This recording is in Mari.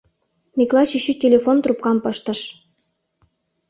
— Миклай чӱчӱ телефон трубкам пыштыш.